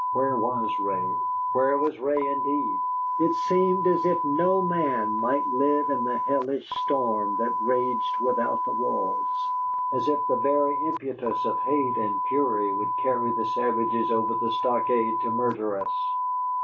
Where was Ray? Where was Ray, indeed? It seemed as if no man might live in the hellish storm that raged without the walls: as if the very impetus of hate and fury would carry the savages over the stockade to murder us.